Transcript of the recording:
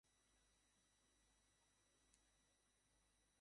High court বিভাগ মূল মামলা, আপীল ও অন্যান্য বিচারকার্য সম্পাদন করবে।